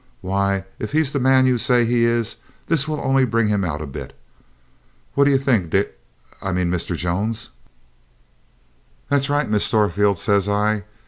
'Why, if he's the man you say he is, this will only bring him out a bit. What do you think, Di I mean Mr. Jones?' 'That's right, Miss Storefield,' says I.